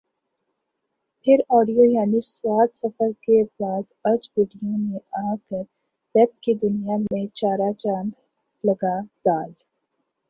پھر آڈیو یعنی ص سفر اور بعد آز ویڈیو نے آکر ویب کی دنیا میں چارہ چاند لگا د